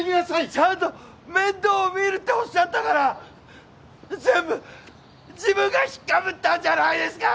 ちゃんと面倒見るっておっしゃったから全部自分がひっ被ったんじゃないですか！